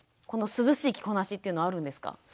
涼しい着こなしっていうのはあるんですか？